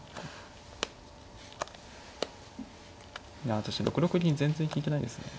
いや私６六銀全然利いてないですね。